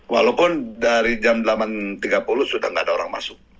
walaupun dari jam delapan tiga puluh sudah tidak ada orang masuk